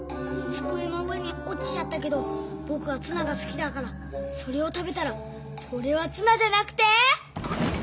つくえの上におちちゃったけどぼくはツナがすきだからそれを食べたらそれはツナじゃなくて。